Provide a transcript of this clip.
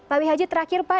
pak wih haji terakhir pak